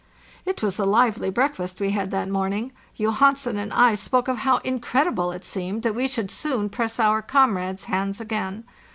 It was a lively breakfast we had that morning. Jo hansen and 1 spoke of how incredible it seemed that we should soon press our comrades' hands again.